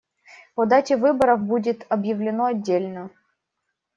О дате выборов будет объявлено отдельно.